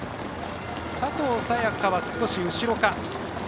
佐藤早也伽は少し後ろか。